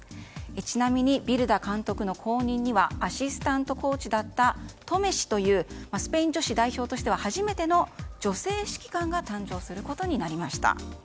ちなみにビルダ監督の後任にはアシスタントコーチだったというトメ氏というスペイン女子代表として初めての女性指揮官が誕生することになりました。